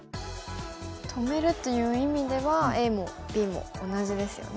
止めるという意味ではＡもＢも同じですよね。